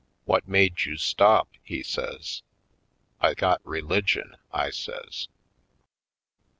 "What made you stop?" he says. "I got religion," I says.